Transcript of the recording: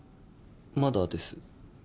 まだです。